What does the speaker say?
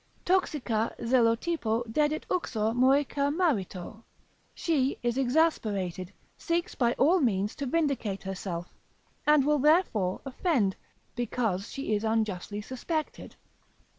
Toxica Zelotypo dedit uxor moecha marito, she is exasperated, seeks by all means to vindicate herself, and will therefore offend, because she is unjustly suspected.